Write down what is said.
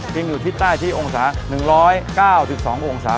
จริงอยู่ทิศใต้ที่องศา๑๙๒องศา